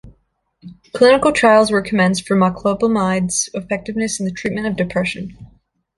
Clinical trials were commenced for moclobemide's effectiveness in the treatment of depression.